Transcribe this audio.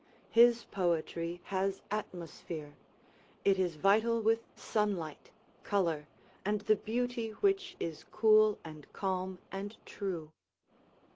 His poetry has atmosphere; it is vital with sunlight, color, and the beauty which is cool and calm and true.